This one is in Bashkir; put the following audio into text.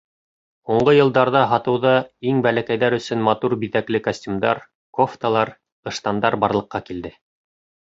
Һуңғы йылдарҙа һатыуҙа иң бәләкәйҙәр өсөн матур биҙәкле костюмдар, кофталар, ыштандар барлыҡҡа килде.